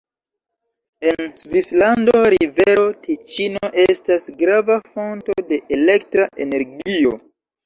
En Svislando rivero Tiĉino estas grava fonto de elektra energio.